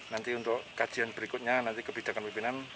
nanti untuk kajian berikutnya nanti kebijakan pimpinan